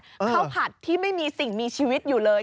ข้าวผัดที่ไม่มีสิ่งมีชีวิตอยู่เลย